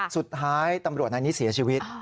สุดท้ายตำรวจนายนี้เสียชีวิต